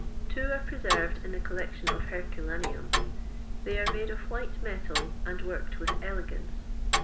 Two are preserved in the collection of Herculaneum; they are made of white metal, and worked with elegance.